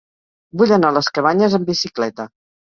Vull anar a les Cabanyes amb bicicleta.